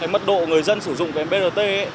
mức độ người dân sử dụng cái brt ấy